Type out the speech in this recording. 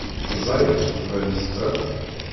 Ẓẓayet tbalizt-a.